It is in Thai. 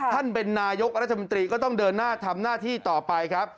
ท่านเป็นนายกรัฐมนตรีก็ต้องเดินหน้าทำหน้าที่ต่อไปครับ